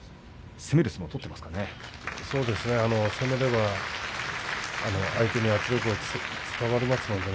攻めれば相手に圧力が伝わりますのでね。